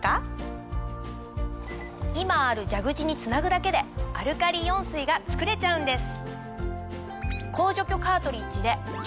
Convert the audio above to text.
今ある蛇口につなぐだけでアルカリイオン水が作れちゃうんです。